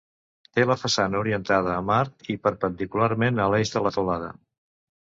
Té la façana orientada a mar i perpendicularment a l'eix de la teulada.